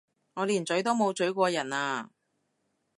我連咀都冇咀過人啊！